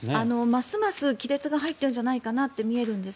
ますます亀裂が入っているんじゃないかなと見えるんです。